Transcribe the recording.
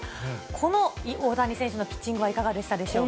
この大谷選手のピッチングはいかがでしたでしょうか。